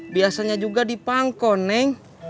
biasanya juga dipangkon neng